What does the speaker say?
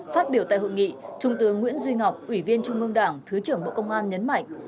phát biểu tại hội nghị trung tướng nguyễn duy ngọc ủy viên trung ương đảng thứ trưởng bộ công an nhấn mạnh